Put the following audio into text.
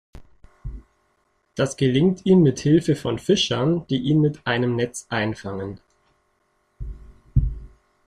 Das gelingt ihm mithilfe von Fischern, die ihn mit einem Netz einfangen.